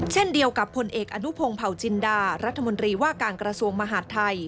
เช่นเดียวกับผลเอกอนุพงศ์เผาจินดารัฐมนตรีว่าการกระทรวงมหาดไทย